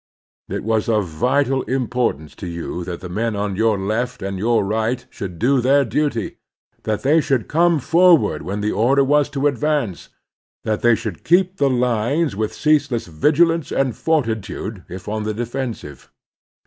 It was of vital im portance to you that the men on your left and your right should do their duty; that they should come forward when the order was to advance; that they should keep the lines with ceaseless vigilance and fortitude if on the defensive.